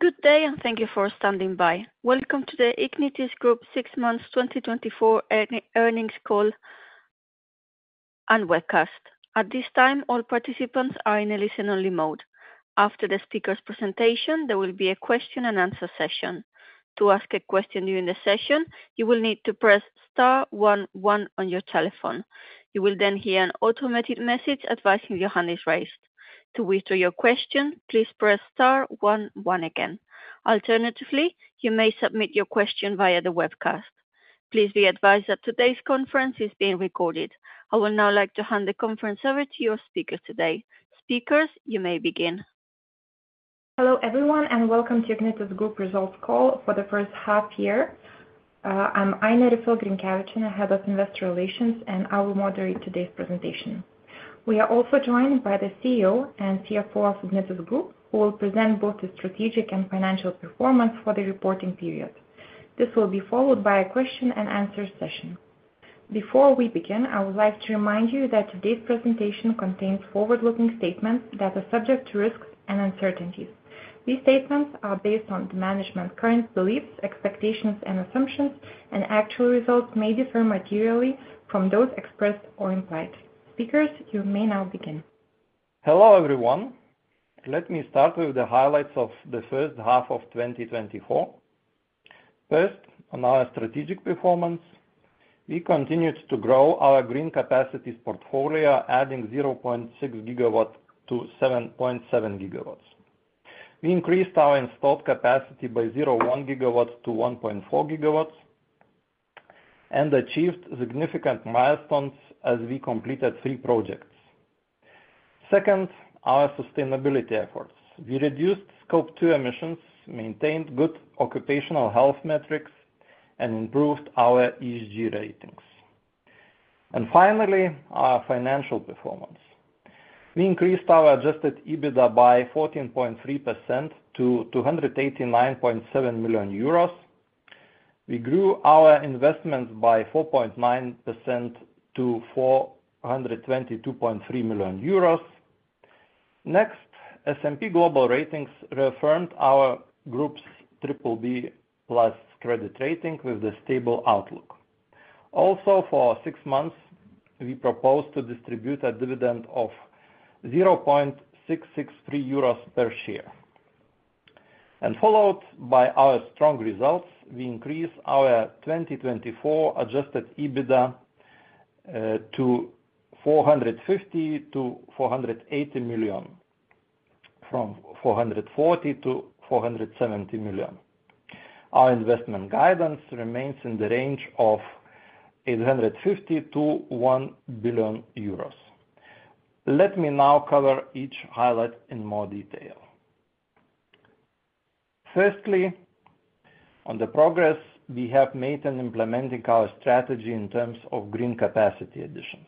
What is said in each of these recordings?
Good day, and thank you for standing by. Welcome to the Ignitis Group Six Months 2024 Earnings Call and Webcast. At this time, all participants are in a listen-only mode. After the speaker's presentation, there will be a question and answer session. To ask a question during the session, you will need to press star one one on your telephone. You will then hear an automated message advising your hand is raised. To withdraw your question, please press star one one again. Alternatively, you may submit your question via the webcast. Please be advised that today's conference is being recorded. I would now like to hand the conference over to your speaker today. Speakers, you may begin. Hello, everyone, and welcome to Ignitis Group Results call for the first half year. I'm Ainė Riffel-Grinkevičienė, Head of Investor Relations, and I will moderate today's presentation. We are also joined by the CEO and CFO of Ignitis Group, who will present both the strategic and financial performance for the reporting period. This will be followed by a question and answer session. Before we begin, I would like to remind you that today's presentation contains forward-looking statements that are subject to risks and uncertainties. These statements are based on the management's current beliefs, expectations, and assumptions, and actual results may differ materially from those expressed or implied. Speakers, you may now begin. Hello, everyone. Let me start with the highlights of the first half of 2024. First, on our strategic performance, we continued to grow our Green Capacities portfolio, adding 0.6 GW to 7.7 GW. We increased our installed capacity by 0.1 GW to 1.4 GW and achieved significant milestones as we completed 3 projects. Second, our sustainability efforts. We reduced Scope 2 emissions, maintained good occupational health metrics, and improved our ESG ratings. And finally, our financial performance. We increased our adjusted EBITDA by 14.3% to 289.7 million euros. We grew our investments by 4.9% to 422.3 million euros. Next, S&P Global Ratings reaffirmed our group's BBB+ credit rating with a stable outlook. Also, for six months, we proposed to distribute a dividend of 0.663 euros per share. And followed by our strong results, we increased our 2024 adjusted EBITDA to 450-480 million, from 440-470 million. Our investment guidance remains in the range of 850 million-1 billion euros. Let me now cover each highlight in more detail. Firstly, on the progress we have made in implementing our strategy in terms of green capacity additions.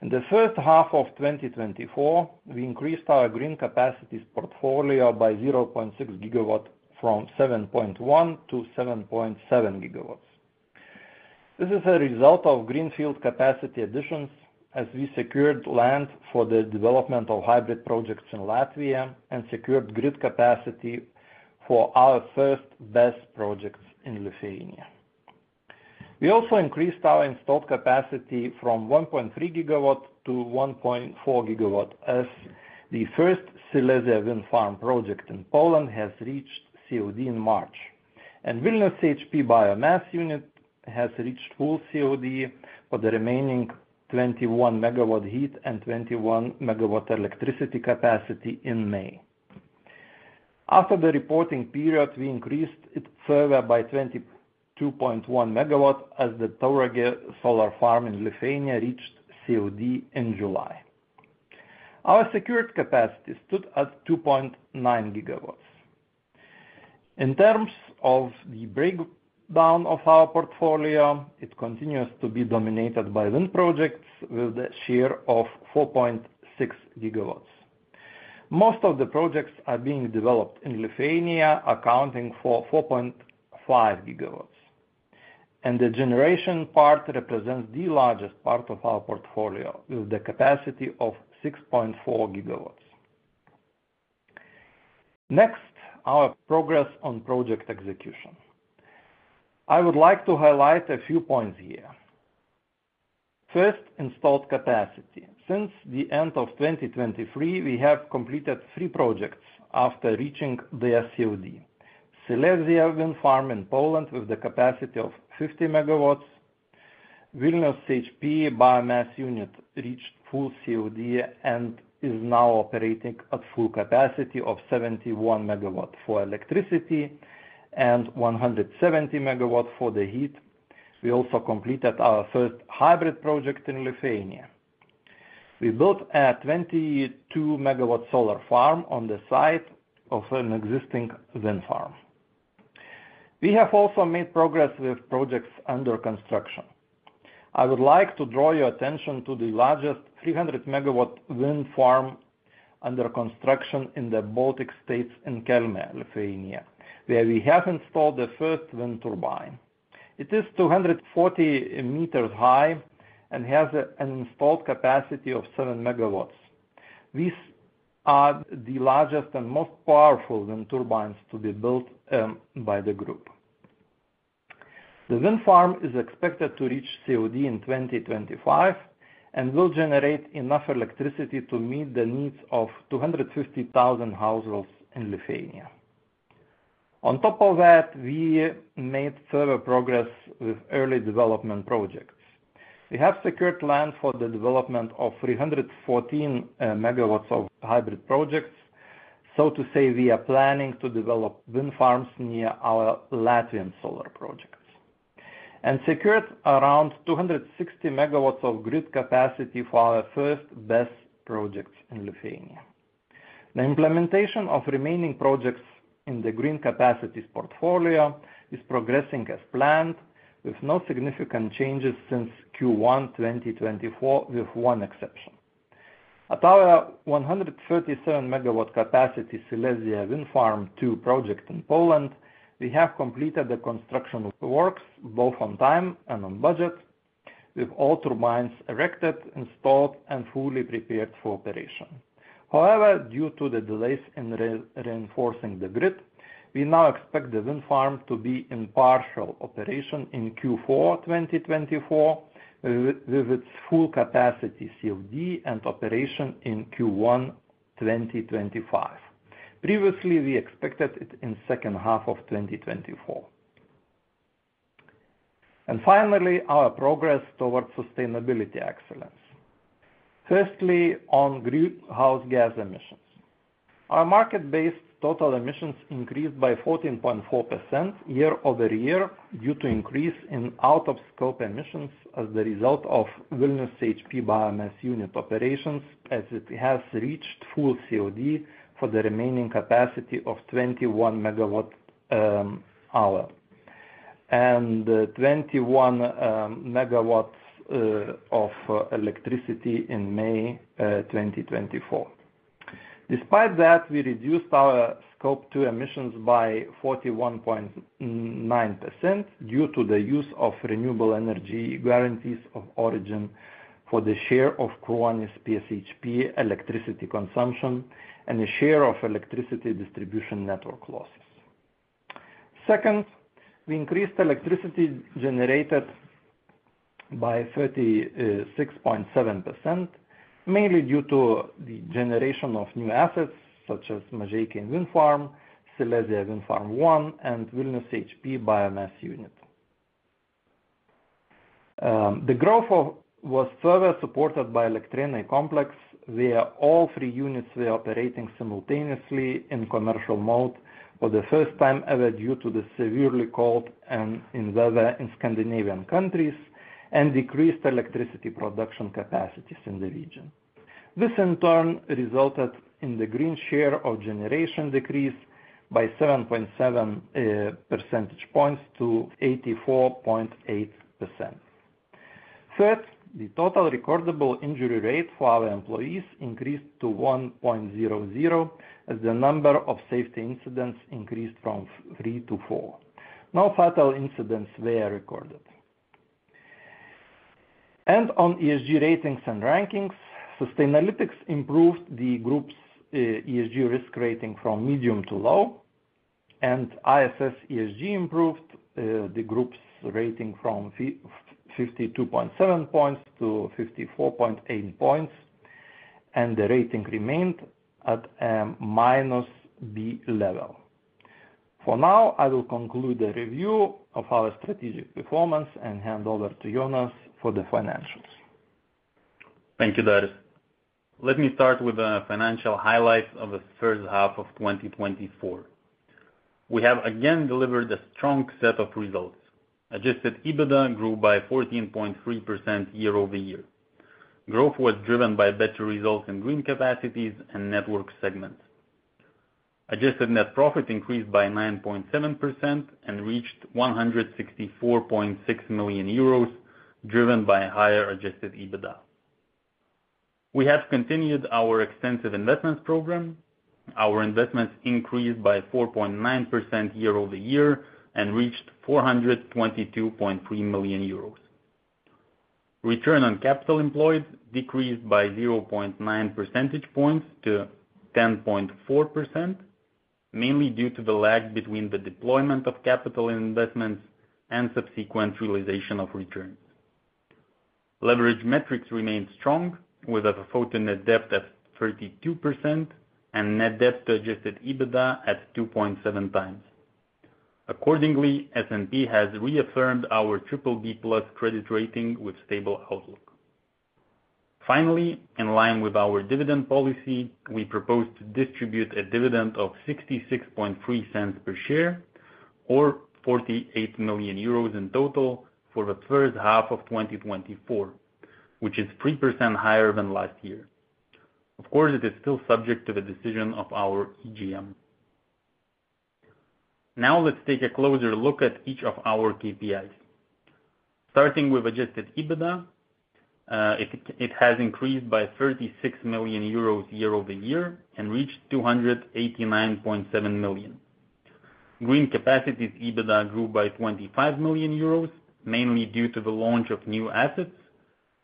In the first half of 2024, we increased our Green Capacities portfolio by 0.6 GW, from 7.1-7.7 GW. This is a result of greenfield capacity additions, as we secured land for the development of hybrid projects in Latvia, and secured grid capacity for our first BESS projects in Lithuania. We also increased our installed capacity from 1.3 GW to 1.4 GW, as the first Silesia Wind Farm project in Poland has reached COD in March. Vilnius CHP Biomass Unit has reached full COD for the remaining 21 MW heat and 21 MW electricity capacity in May. After the reporting period, we increased it further by 22.1 MW, as the Tauragė Solar Farm in Lithuania reached COD in July. Our secured capacity stood at 2.9 GW. In terms of the breakdown of our portfolio, it continues to be dominated by wind projects with a share of 4.6 GW. Most of the projects are being developed in Lithuania, accounting for 4.5 GW. The generation part represents the largest part of our portfolio, with a capacity of 6.4 GW. Next, our progress on project execution. I would like to highlight a few points here. First, installed capacity. Since the end of 2023, we have completed three projects after reaching their COD. Silesia Wind Farm in Poland with a capacity of 50 MW. Vilnius CHP Biomass Unit reached full COD and is now operating at full capacity of 71 MW for electricity and 170 MW for the heat. We also completed our first hybrid project in Lithuania. We built a 22 MW solar farm on the site of an existing wind farm. We have also made progress with projects under construction. I would like to draw your attention to the largest 300 MW wind farm under construction in the Baltic States in Kelmė, Lithuania, where we have installed the first wind turbine. It is 240 meters high and has an installed capacity of 7 MW. These are the largest and most powerful wind turbines to be built by the group. The wind farm is expected to reach COD in 2025, and will generate enough electricity to meet the needs of 250,000 households in Lithuania. On top of that, we made further progress with early development projects. We have secured land for the development of 314 MW of hybrid projects. So to say, we are planning to develop wind farms near our Latvian solar projects, and secured around 260 MW of grid capacity for our first BESS projects in Lithuania. The implementation of remaining projects in the Green Capacities portfolio is progressing as planned, with no significant changes since Q1 2024, with one exception. At our 137 MW capacity, Silesia Wind Farm II project in Poland, we have completed the construction of the works, both on time and on budget, with all turbines erected, installed, and fully prepared for operation. However, due to the delays in reinforcing the grid, we now expect the wind farm to be in partial operation in Q4 2024, with its full capacity COD and operation in Q1 2025. Previously, we expected it in second half of 2024. Finally, our progress towards sustainability excellence. Firstly, on greenhouse gas emissions. Our market-based total emissions increased by 14.4% year-over-year, due to increase in out-of-scope emissions as the result of Vilnius CHP Biomass Unit operations, as it has reached full COD for the remaining capacity of 21 MW and 21 MW of electricity in May 2024. Despite that, we reduced our Scope 2 emissions by 41.9% due to the use of renewable energy guarantees of origin for the share of Kruonis PSHP electricity consumption, and a share of electricity distribution Network losses. Second, we increased electricity generated by 36.7%, mainly due to the generation of new assets such as Mažeikiai Wind Farm, Silesia Wind Farm I, and Vilnius CHP Biomass Unit. The growth was further supported by Elektrėnai complex, where all three units were operating simultaneously in commercial mode for the first time ever, due to the severely cold winter weather in Scandinavian countries, and decreased electricity production capacities in the region. This, in turn, resulted in the green share of generation decrease by 7.7 percentage points to 84.8%. Third, the total recordable injury rate for our employees increased to 1.00, as the number of safety incidents increased from 3 to 4. No fatal incidents were recorded. On ESG ratings and rankings, Sustainalytics improved the group's ESG risk rating from medium to low, and ISS ESG improved the group's rating from 52.7 points to 54.8 points, and the rating remained at -B level. For now, I will conclude the review of our strategic performance and hand over to Jonas for the financials. Thank you, Darius. Let me start with the financial highlights of the first half of 2024. We have again delivered a strong set of results. Adjusted EBITDA grew by 14.3% year-over-year. Growth was driven by better results in Green Capacities and Network segments. Adjusted net profit increased by 9.7% and reached 164.6 million euros, driven by higher adjusted EBITDA. We have continued our extensive investments program. Our investments increased by 4.9% year-over-year and reached 422.3 million euros. Return on capital employed decreased by 0.9 percentage points to 10.4%, mainly due to the lag between the deployment of capital investments and subsequent realization of returns. Leverage metrics remained strong, with FFO to net debt at 32% and net debt to adjusted EBITDA at 2.7 times. Accordingly, S&P has reaffirmed our BBB+ credit rating with stable outlook. Finally, in line with our dividend policy, we propose to distribute a dividend of 0.663 per share or 48 million euros in total for the first half of 2024, which is 3% higher than last year. Of course, it is still subject to the decision of our EGM. Now, let's take a closer look at each of our KPIs. Starting with adjusted EBITDA, it has increased by 36 million euros year-over-year and reached 289.7 million. Green Capacities EBITDA grew by 25 million euros, mainly due to the launch of new assets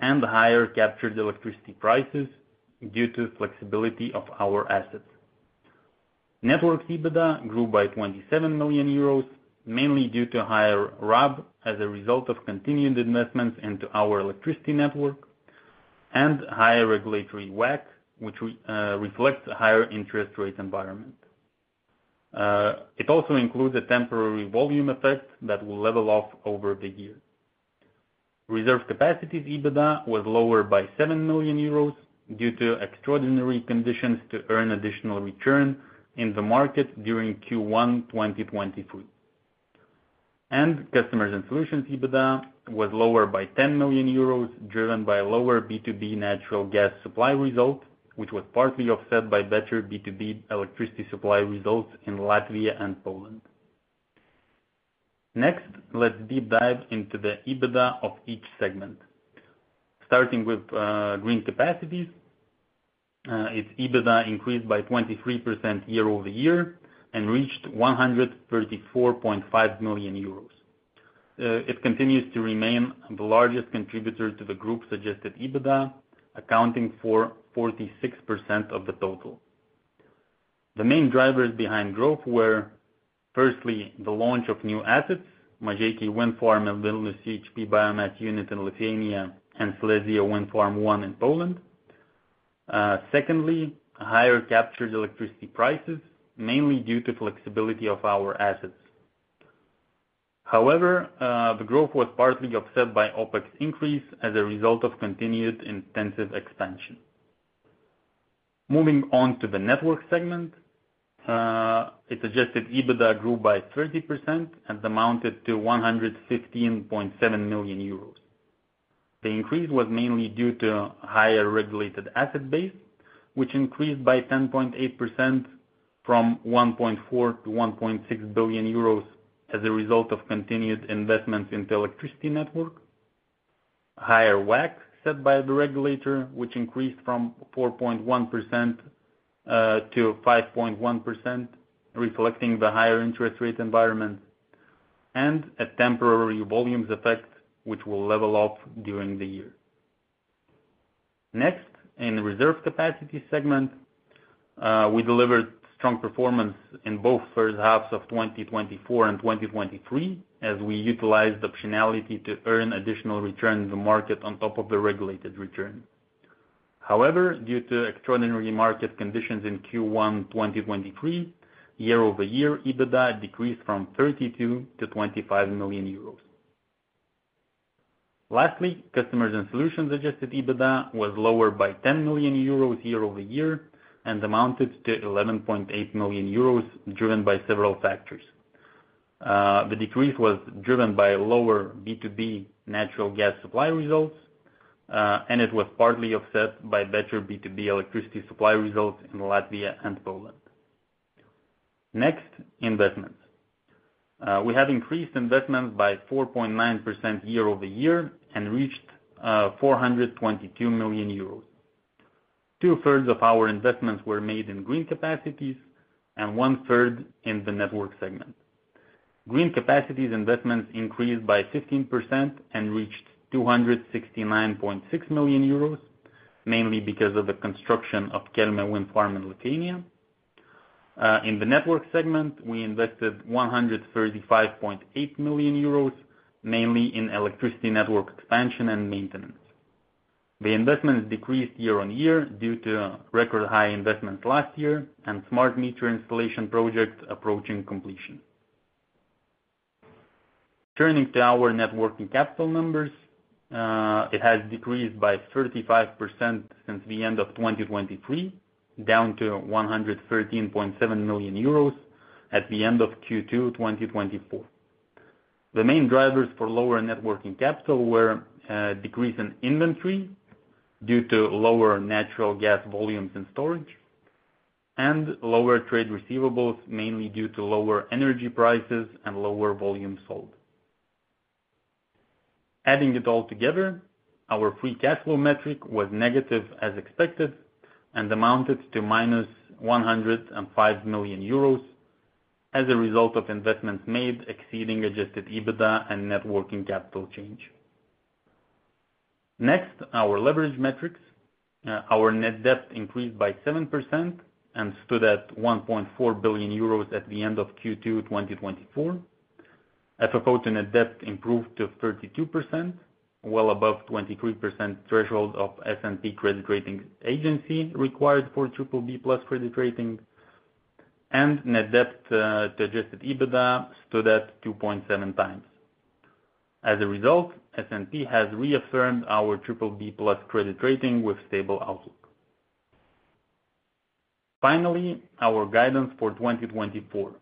and the higher captured electricity prices due to flexibility of our assets. Network EBITDA grew by 27 million euros, mainly due to higher RAB as a result of continued investments into our Electricity Network and higher regulatory WACC, which reflects the higher interest rate environment. It also includes a temporary volume effect that will level off over the year. Reserve Capacities EBITDA was lower by 7 million euros due to extraordinary conditions to earn additional return in the market during Q1 2023. Customers and Solutions EBITDA was lower by 10 million euros, driven by lower B2B natural gas supply result, which was partly offset by better B2B electricity supply results in Latvia and Poland. Next, let's deep dive into the EBITDA of each segment. Starting with Green Capacities, its EBITDA increased by 23% year-over-year and reached 134.5 million euros. It continues to remain the largest contributor to the group's adjusted EBITDA, accounting for 46% of the total. The main drivers behind growth were, firstly, the launch of new assets, Mažeikiai Wind Farm and Vilnius CHP Biomass Unit in Lithuania, and Silesia Wind Farm I in Poland. Secondly, higher captured electricity prices, mainly due to flexibility of our assets. However, the growth was partly offset by OpEx increase as a result of continued intensive expansion. Moving on to the Network segment, its adjusted EBITDA grew by 30% and amounted to 115.7 million euros. The increase was mainly due to higher regulated asset base, which increased by 10.8% from 1.4 billion to 1.6 billion euros as a result of continued investments in the Electricity Network. Higher WACC set by the regulator, which increased from 4.1% to 5.1%, reflecting the higher interest rate environment, and a temporary volumes effect, which will level off during the year. Next, in Reserve Capacity segment, we delivered strong performance in both first halves of 2024 and 2023, as we utilized optionality to earn additional return in the market on top of the regulated return. However, due to extraordinary market conditions in Q1 2023, year-over-year EBITDA decreased from 32 million to 25 million euros. Lastly, Customers and Solutions Adjusted EBITDA was lower by 10 million euros year-over-year and amounted to 11.8 million euros, driven by several factors. The decrease was driven by lower B2B natural gas supply results, and it was partly offset by better B2B electricity supply results in Latvia and Poland. Next, investments. We have increased investments by 4.9% year-over-year and reached 422 million euros. Two-thirds of our investments were made in Green Capacities and one-third in the Network segment. Green Capacities investments increased by 15% and reached 269.6 million euros, mainly because of the construction of Kelmė Wind Farm in Lithuania. In the Network segment, we invested 135.8 million euros, mainly in Electricity Network expansion and maintenance. The investments decreased year-on-year due to record high investments last year and smart meter installation projects approaching completion. Turning to our Net Working Capital numbers, it has decreased by 35% since the end of 2023, down to 113.7 million euros at the end of Q2 2024. The main drivers for lower Net Working Capital were, decrease in inventory due to lower natural gas volumes in storage, and lower trade receivables, mainly due to lower energy prices and lower volume sold. Adding it all together, our free cash flow metric was negative as expected, and amounted to -105 million euros as a result of investments made exceeding adjusted EBITDA and Net Working Capital change. Next, our leverage metrics. Our net debt increased by 7% and stood at 1.4 billion euros at the end of Q2 2024. FFO to net debt improved to 32%, well above 23% threshold of S&P credit rating agency required for BBB+ credit rating, and net debt to adjusted EBITDA stood at 2.7 times. As a result, S&P has reaffirmed our BBB+ credit rating with stable outlook. Finally, our guidance for 2024.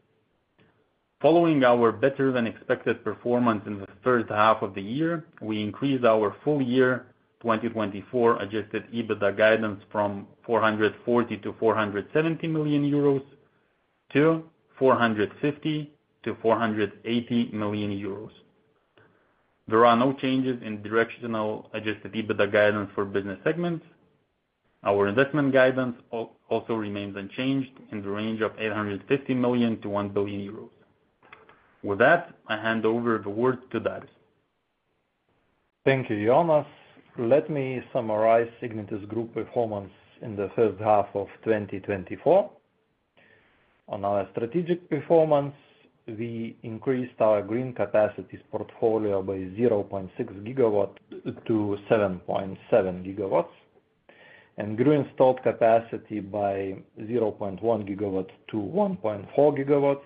Following our better-than-expected performance in the first half of the year, we increased our full year 2024 adjusted EBITDA guidance from 440 million to 470 million euros.... to 450 million-480 million euros. There are no changes in directional adjusted EBITDA guidance for business segments. Our investment guidance also remains unchanged in the range of 850 million-1 billion euros. With that, I hand over the word to Darius. Thank you, Jonas. Let me summarize Ignitis Group's performance in the first half of 2024. On our strategic performance, we increased our Green Capacities portfolio by 0.6 GW to 7.7 GW, and grew installed capacity by 0.1 GW to 1.4 GW.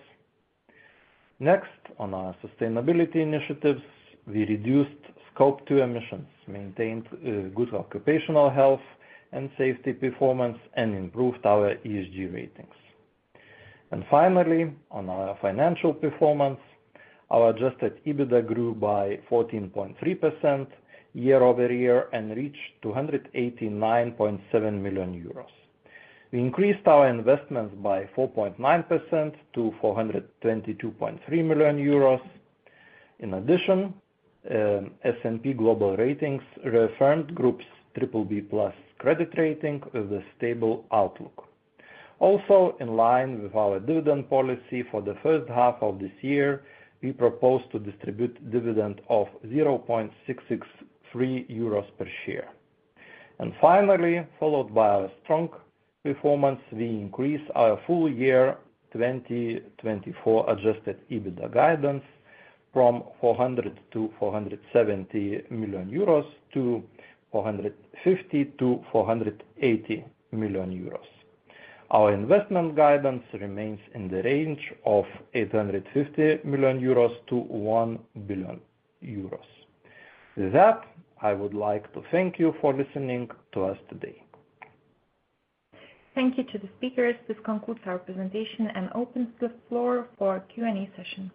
Next, on our sustainability initiatives, we reduced Scope 2 emissions, maintained good occupational health and safety performance, and improved our ESG ratings. Finally, on our financial performance, our adjusted EBITDA grew by 14.3% year-over-year and reached 289.7 million euros. We increased our investments by 4.9% to 422.3 million euros. In addition, S&P Global Ratings reaffirmed the group's BBB+ credit rating with a stable outlook. Also, in line with our dividend policy for the first half of this year, we propose to distribute dividend of 0.663 euros per share. And finally, followed by our strong performance, we increase our full-year 2024 adjusted EBITDA guidance from 400 million-470 million euros to 450 million-480 million euros. Our investment guidance remains in the range of 850 million-1 billion euros. With that, I would like to thank you for listening to us today. Thank you to the speakers. This concludes our presentation and opens the floor for Q&A session.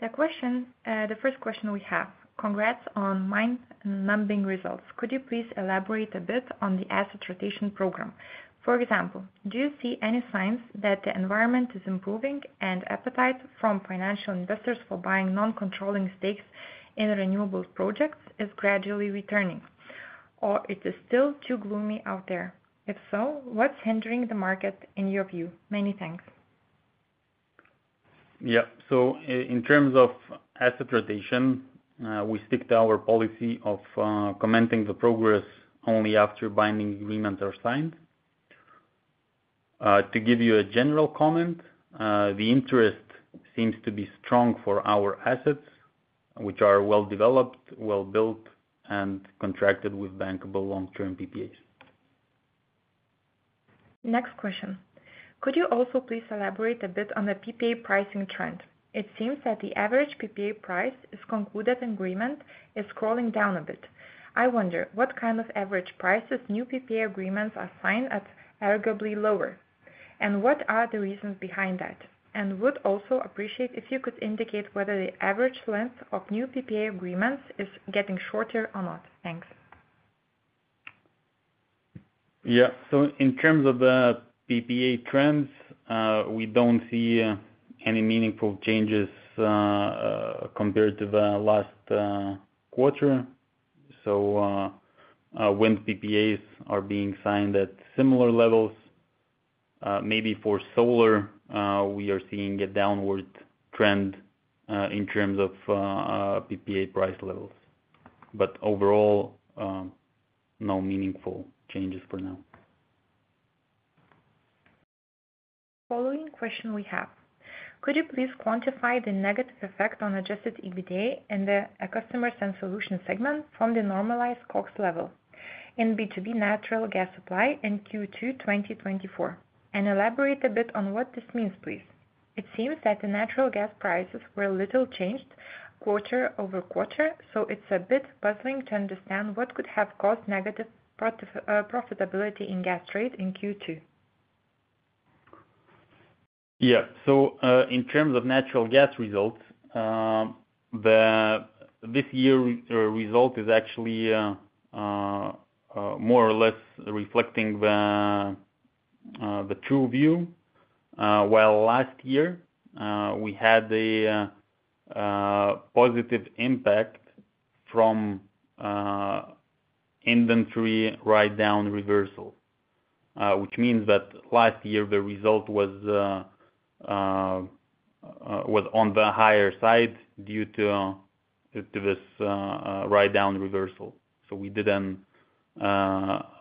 The question, the first question we have: Congrats on mind-numbing results. Could you please elaborate a bit on the asset rotation program? For example, do you see any signs that the environment is improving and appetite from financial investors for buying non-controlling stakes in renewables projects is gradually returning, or it is still too gloomy out there? If so, what's hindering the market, in your view? Many thanks. Yeah. So in terms of asset rotation, we stick to our policy of commenting the progress only after binding agreements are signed. To give you a general comment, the interest seems to be strong for our assets, which are well-developed, well-built, and contracted with bankable long-term PPAs. Next question: Could you also please elaborate a bit on the PPA pricing trend? It seems that the average PPA price in concluded agreements is crawling down a bit. I wonder, what kind of average prices new PPA agreements are signed at, arguably lower? And what are the reasons behind that? And would also appreciate if you could indicate whether the average length of new PPA agreements is getting shorter or not. Thanks. Yeah. So in terms of the PPA trends, we don't see any meaningful changes compared to the last quarter. So, when PPAs are being signed at similar levels, maybe for solar, we are seeing a downward trend in terms of PPA price levels, but overall, no meaningful changes for now. Following question we have: Could you please quantify the negative effect on adjusted EBITDA and the Customers and Solutions segment from the normalized cost level in B2B natural gas supply in Q2 2024? And elaborate a bit on what this means, please. It seems that the natural gas prices were little changed quarter-over-quarter, so it's a bit puzzling to understand what could have caused negative profitability in gas trade in Q2. Yeah. So, in terms of natural gas results, the result this year is actually more or less reflecting the true view. Well, last year, we had the positive impact from inventory write-down reversal, which means that last year the result was on the higher side due to this write-down reversal. So we did a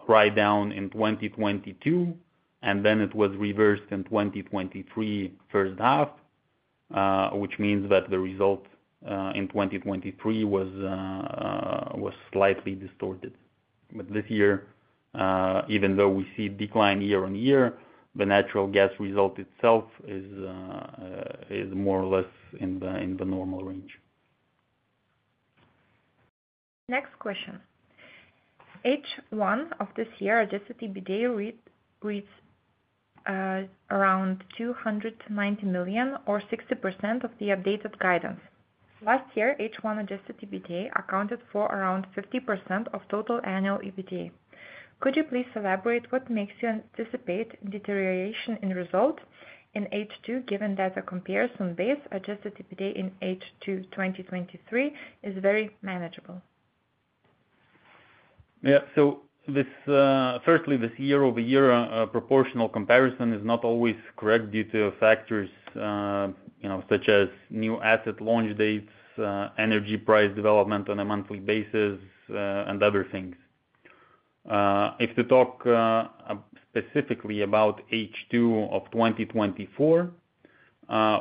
write-down in 2022, and then it was reversed in 2023 first half, which means that the result in 2023 was slightly distorted. But this year, even though we see decline year-over-year, the natural gas result itself is more or less in the normal range. Next question. H1 of this year, adjusted EBITDA reads around 290 million or 60% of the updated guidance. Last year, H1 adjusted EBITDA accounted for around 50% of total annual EBITDA. Could you please elaborate what makes you anticipate deterioration in results in H2, given that the comparison base adjusted EBITDA in H2 2023 is very manageable? Yeah. So this, firstly, this year-over-year proportional comparison is not always correct due to factors, you know, such as new asset launch dates, energy price development on a monthly basis, and other things. If we talk, specifically about H2 of 2024,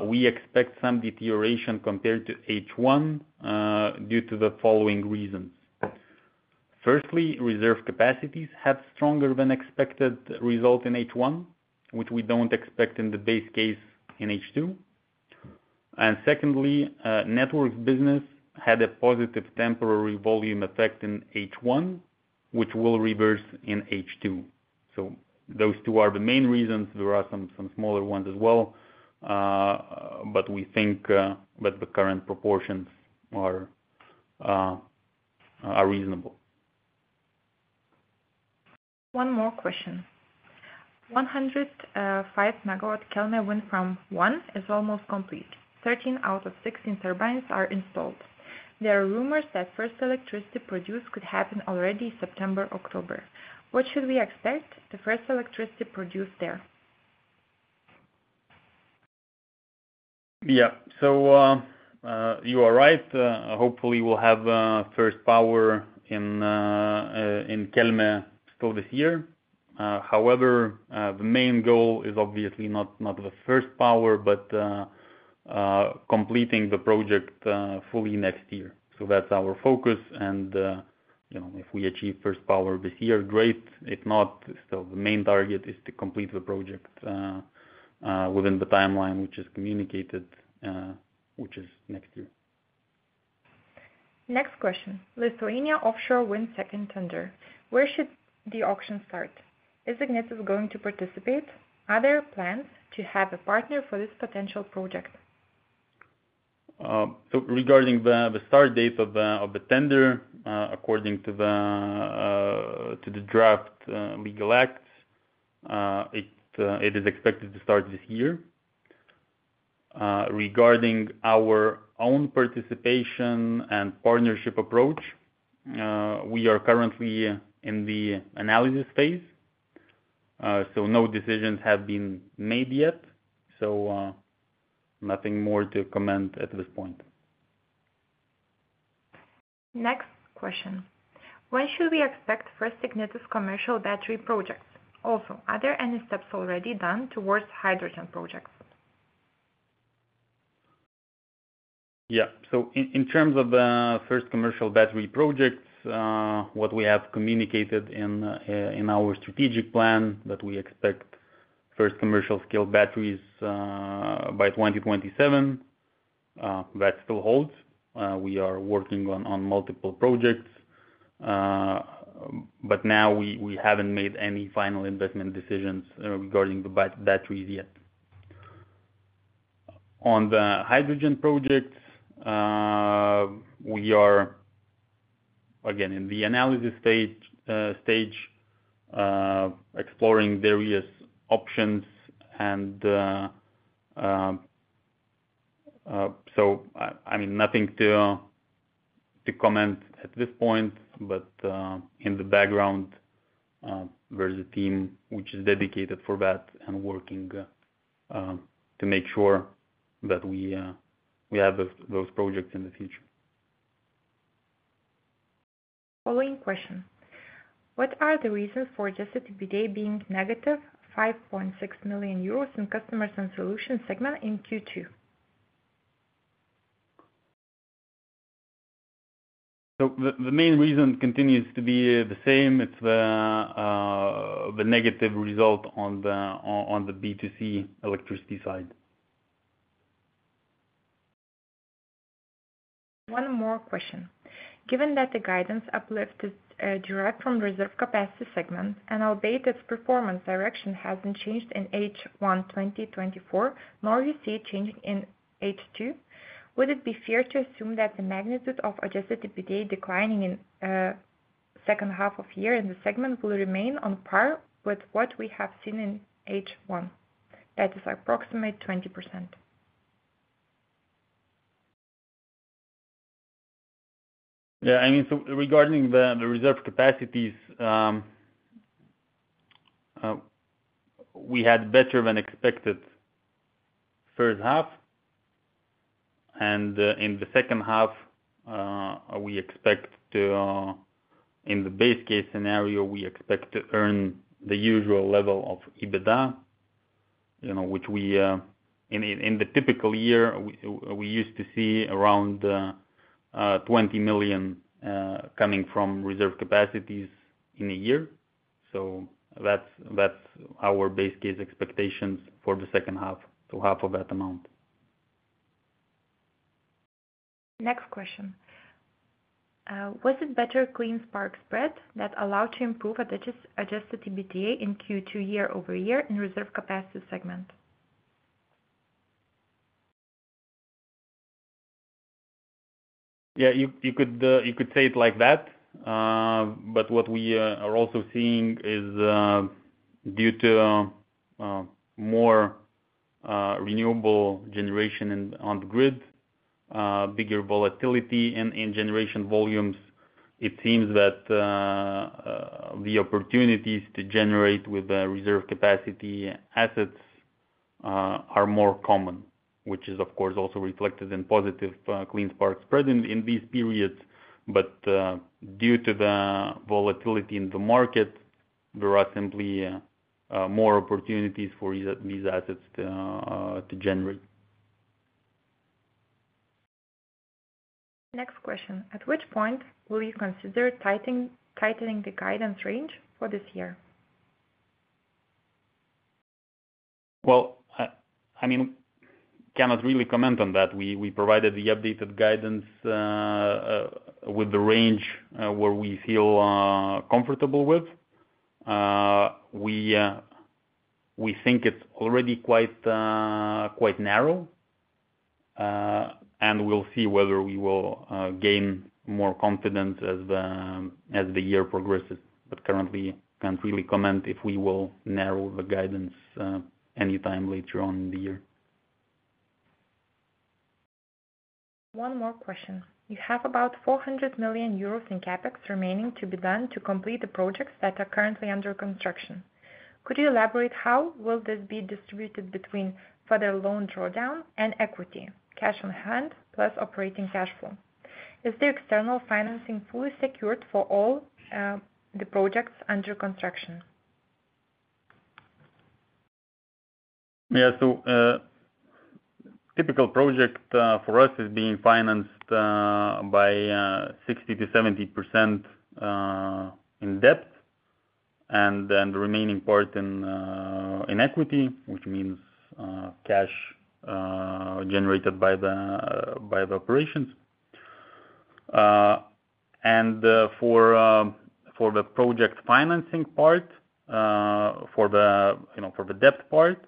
we expect some deterioration compared to H1, due to the following reasons: firstly, Reserve Capacities had stronger than expected result in H1, which we don't expect in the base case in H2. And secondly, Network business had a positive temporary volume effect in H1, which will reverse in H2. So those two are the main reasons. There are some, some smaller ones as well, but we think, that the current proportions are, are reasonable. One more question. 105 MW Kelmė Wind Farm I is almost complete. 13 out of 16 turbines are installed. There are rumors that first electricity produced could happen already September, October. What should we expect the first electricity produced there? Yeah. So, you are right. Hopefully we'll have first power in Kelmė for this year. However, the main goal is obviously not the first power, but completing the project fully next year. So that's our focus and, you know, if we achieve first power this year, great. If not, still the main target is to complete the project within the timeline, which is communicated, which is next year. Next question. Lithuania Offshore Wind second tender, where should the auction start? Is Ignitis going to participate? Are there plans to have a partner for this potential project? So regarding the start date of the tender, according to the draft legal act, it is expected to start this year. Regarding our own participation and partnership approach, we are currently in the analysis phase, so no decisions have been made yet, so nothing more to comment at this point. Next question: When should we expect first Ignitis commercial battery projects? Also, are there any steps already done towards hydrogen projects? Yeah. So in terms of first commercial battery projects, what we have communicated in our strategic plan, that we expect first commercial scale batteries by 2027, that still holds. We are working on multiple projects, but now we haven't made any final investment decisions regarding the batteries yet. On the hydrogen projects, we are again in the analysis stage, exploring various options and, so I mean, nothing to comment at this point, but in the background, there's a team which is dedicated for that and working to make sure that we have those projects in the future. Following question: What are the reasons for adjusted EBITDA being -5.6 million euros in Customers and Solutions segment in Q2? So the main reason continues to be the same. It's the negative result on the B2C electricity side. One more question. Given that the guidance uplift is derived from Reserve Capacity segment and albeit its performance direction hasn't changed in H1 2024, nor you see it changing in H2, would it be fair to assume that the magnitude of adjusted EBITDA declining in second half of year in the segment will remain on par with what we have seen in H1? That is approximate 20%. Yeah, I mean, so regarding the Reserve Capacities, we had better than expected first half, and in the second half, we expect to in the base case scenario, we expect to earn the usual level of EBITDA, you know, which we in the typical year we used to see around 20 million coming from Reserve Capacities in a year. So that's our base case expectations for the second half, so half of that amount.... Next question. Was it better clean spark spread that allowed to improve at the just, adjusted EBITDA in Q2 year-over-year in Reserve Capacity segment? Yeah, you could say it like that. But what we are also seeing is due to more renewable generation in on the grid bigger volatility and in generation volumes, it seems that the opportunities to generate with the Reserve Capacity assets are more common. Which is, of course, also reflected in positive clean spark spread in these periods. But due to the volatility in the market, there are simply more opportunities for these assets to generate. Next question: At which point will you consider tightening the guidance range for this year? Well, I mean, cannot really comment on that. We provided the updated guidance with the range where we feel comfortable with. We think it's already quite, quite narrow. And we'll see whether we will gain more confidence as the year progresses. But currently, can't really comment if we will narrow the guidance anytime later on in the year. One more question. You have about 400 million euros in CapEx remaining to be done to complete the projects that are currently under construction. Could you elaborate, how will this be distributed between further loan drawdown and equity, cash on hand, plus operating cash flow? Is the external financing fully secured for all, the projects under construction? Yeah. So, typical project for us is being financed by 60%-70% in debt, and then the remaining part in equity, which means cash generated by the operations. For the project financing part, you know, for the debt part,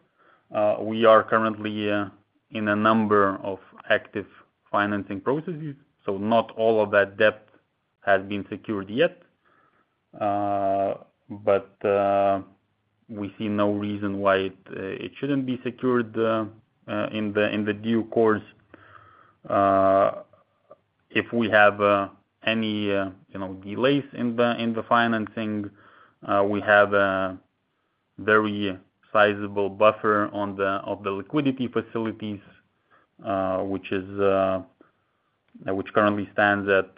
we are currently in a number of active financing processes, so not all of that debt has been secured yet. But we see no reason why it shouldn't be secured in the due course. If we have any delays in the financing, we have a very sizable buffer on the of the liquidity facilities, which is which currently stands at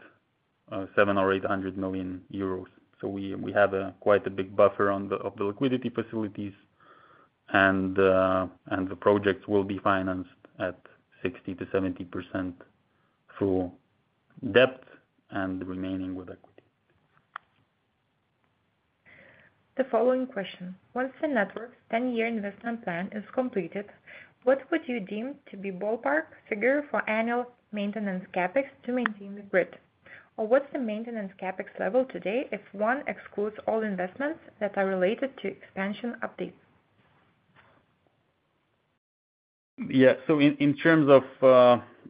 700 million or 800 million euros. We have quite a big buffer of the liquidity facilities, and the projects will be financed at 60%-70% through debt and remaining with equity. The following question: Once the network's 10-year investment plan is completed, what would you deem to be ballpark figure for annual maintenance CapEx to maintain the grid? Or what's the maintenance CapEx level today if one excludes all investments that are related to expansion updates? Yeah. So in terms of,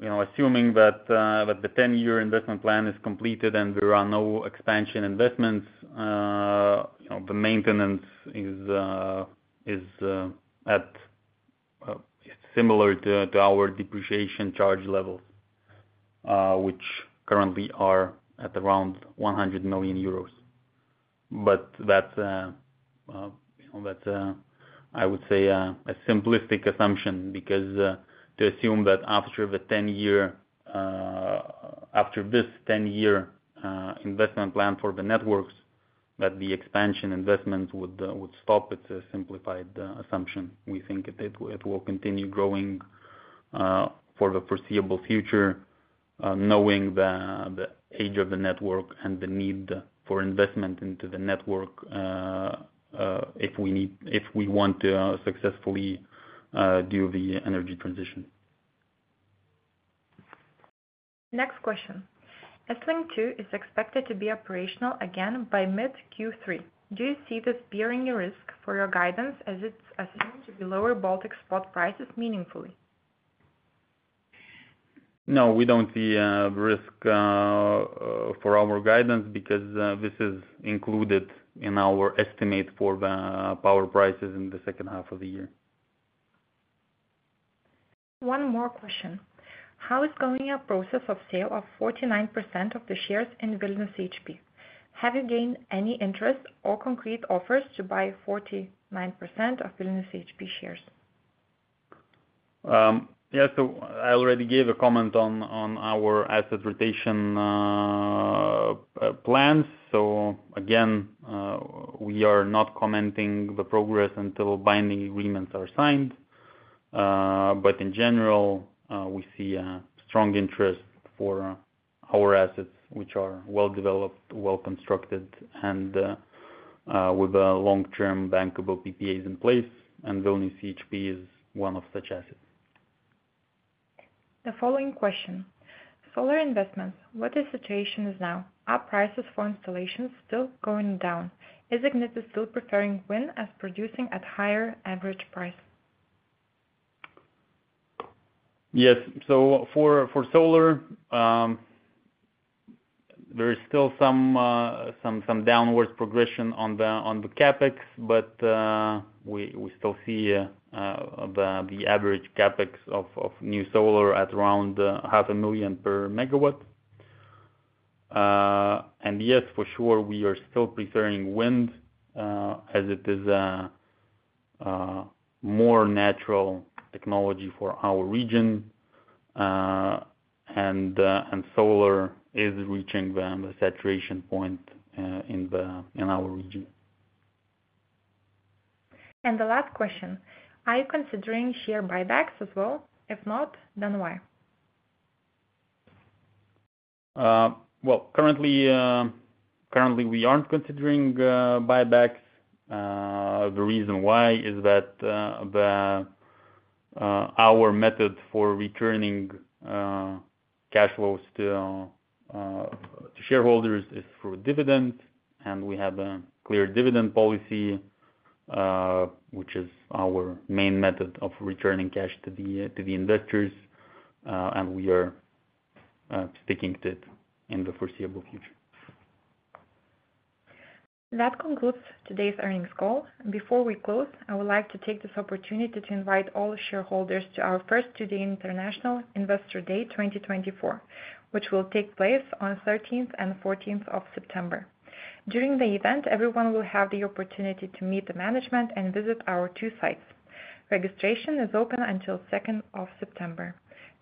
you know, assuming that the ten-year investment plan is completed and there are no expansion investments, you know, the maintenance is at similar to our depreciation charge levels, which currently are at around 100 million euros. But that, you know, that I would say a simplistic assumption, because to assume that after the ten-year, after this ten-year investment plan for the networks, that the expansion investments would stop, it's a simplified assumption. We think it will continue growing for the foreseeable future, knowing the age of the network and the need for investment into the network, if we want to successfully do the energy transition. Next question. EstLink 2 is expected to be operational again by mid Q3. Do you see this bearing a risk for your guidance as it's assumed to be lower Baltic spot prices meaningfully? No, we don't see risk for our guidance, because this is included in our estimate for the power prices in the second half of the year. One more question. How is going a process of sale of 49% of the shares in Vilnius CHP? Have you gained any interest or concrete offers to buy 49% of Vilnius CHP shares? Yeah, so I already gave a comment on our asset rotation plans. So again, we are not commenting the progress until binding agreements are signed. But in general, we see a strong interest for our assets, which are well-developed, well-constructed, and with a long-term bankable PPAs in place, and Vilnius CHP is one of such assets. The following question: solar investments, what the situation is now? Are prices for installations still going down? Is Ignitis still preferring wind as producing at higher average price? Yes. So for solar, there is still some downwards progression on the CapEx, but we still see the average CapEx of new solar at around 500,000 per megawatt. And yes, for sure, we are still preferring wind, as it is a more natural technology for our region. And solar is reaching the saturation point in our region. The last question: Are you considering share buybacks as well? If not, then why? Well, currently, currently, we aren't considering buybacks. The reason why is that, our method for returning cash flows to to shareholders is through dividend, and we have a clear dividend policy, which is our main method of returning cash to the to the investors. And we are sticking to it in the foreseeable future. That concludes today's earnings call. Before we close, I would like to take this opportunity to invite all shareholders to our first two-day International Investor Day 2024, which will take place on 13th and 14th of September. During the event, everyone will have the opportunity to meet the management and visit our two sites. Registration is open until 2nd of September.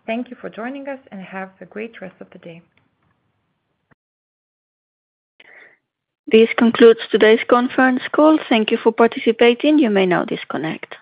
Thank you for joining us, and have a great rest of the day. This concludes today's conference call. Thank you for participating. You may now disconnect.